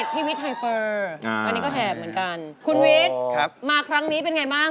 วิทย์ไฮเฟอร์ตอนนี้ก็แหบเหมือนกันคุณวิทย์มาครั้งนี้เป็นไงบ้าง